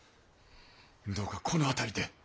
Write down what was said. どうかこの辺りで！